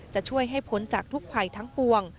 จะช่วยให้พ้นจากทุกภัยทั้งปวง